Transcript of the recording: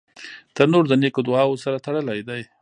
تنور د نیکو دعاوو سره تړلی دی